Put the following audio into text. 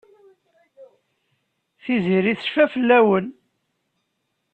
Tiziri tecfa fell-awen.